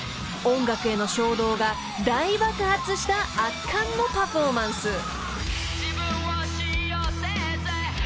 ［音楽への衝動が大爆発した圧巻のパフォーマンス］